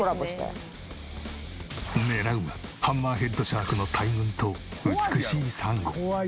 狙うはハンマーヘッドシャークの大群と美しい珊瑚。